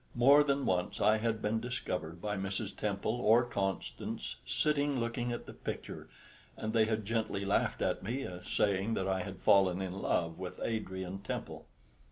More than once I had been discovered by Mrs. Temple or Constance sitting looking at the picture, and they had gently laughed at me, saying that I had fallen in love with Adrian Temple.